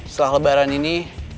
setelah lebaran ini